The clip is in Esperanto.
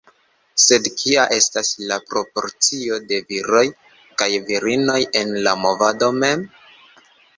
Sed kia estas la proporcio de viroj kaj virinoj en la movado mem?